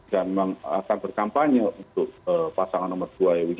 dan akan berkampanye untuk pasangan nomor dua ewg